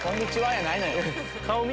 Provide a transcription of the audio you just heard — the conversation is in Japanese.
やないのよ。